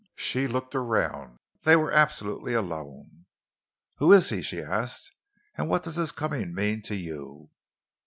She looked around. They were absolutely alone. "Who is he," she asked, "and what does his coming mean to you?"